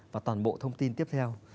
và toàn bộ thông tin tiếp theo